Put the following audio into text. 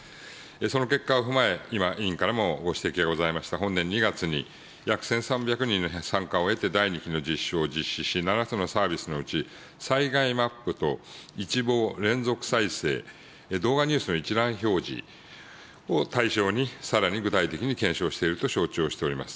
その結果を踏まえ、今、委員からもご指摘がございました、本年２月に、約１３００人の参加を得て、第２期の実証を実施し、７つのサービスのうち、災害マップと一望・連続再生、動画ニュースの一覧表示を対象に、さらに具体的に検証していると承知をしております。